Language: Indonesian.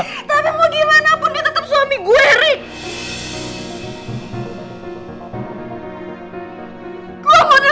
tapi mau gimana pun dia tetap suami gue rik